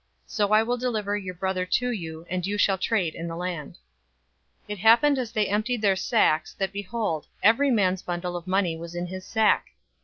So I will deliver your brother to you, and you shall trade in the land.'" 042:035 It happened as they emptied their sacks, that behold, every man's bundle of money was in his sack.